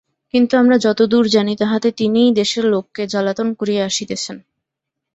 কিন্তু আমরা যতদূর জানি তাহাতে তিনিই দেশের লোককে জ্বালাতন করিয়া আসিতেছেন।